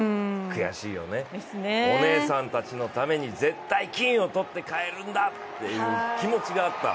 悔しいよね、お姉さんたちのために絶対金を取って帰るんだという気持ちがあった。